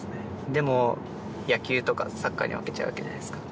でも野球とかサッカーに負けちゃうわけじゃないですか